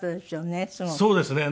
そうですね。